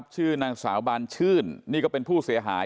ชื่อนางสาวบานชื่นนี่ก็เป็นผู้เสียหาย